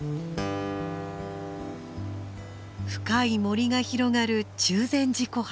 深い森が広がる中禅寺湖畔。